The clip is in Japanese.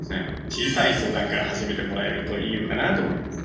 小さい相談から始めてもらえるといいのかなと思います。